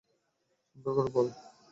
সুন্দর করে বল।